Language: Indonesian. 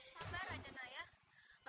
hai senang saja bu